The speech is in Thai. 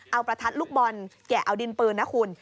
เอาประทัดลูกบอลแกะเอาดินปืนนะคุณ